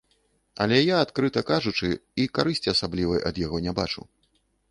Але я, адкрыта кажучы, і карысці асаблівай ад яго не бачу.